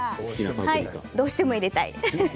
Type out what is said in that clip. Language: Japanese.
どうしても入れたい。